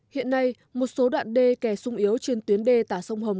hiện nay một số đoạn đê kè sung yếu trên tuyến đê tả sông hồng